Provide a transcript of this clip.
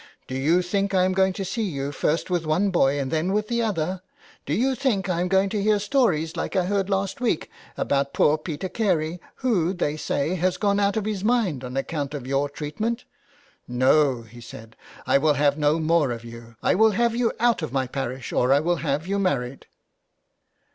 Do you think I am going to see you first with one boy and then with the other ? Do you think I am going to hear stories like I heard last week about poor Peter Carey, who, they say, has gone out of his mind on account of your treatment ? No,' he said, ' I will have no more of you ; I will have you out of my parish, or I will have you married.'